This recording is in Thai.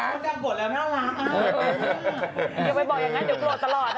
อย่าไปบอกอย่างงั้นเดี๋ยวโกรธตลอดนะครับคุณผู้ชม